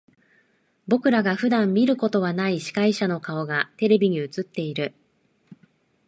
僕らが普段見ることはない司会者の顔がテレビに映っている。